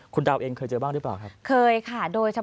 คุณดาวเองเคยเจอบ้างหรือเปล่าครับ